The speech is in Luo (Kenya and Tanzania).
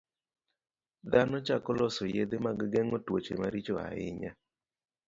Dhano chako loso yedhe mag geng'o tuoche maricho ahinya.